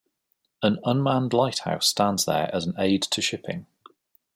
An unmanned lighthouse stands there as an aid to shipping.